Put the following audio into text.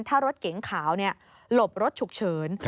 ถ้ารถเก๋งขาวหลบรถฉุกเฉิน